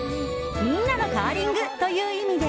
みんなのカーリングという意味で。